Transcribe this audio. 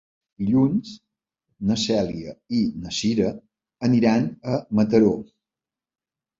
Dilluns na Cèlia i na Cira aniran a Mataró.